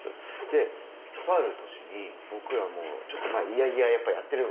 でとある年に僕らもうちょっと嫌々やってる。